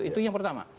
itu yang pertama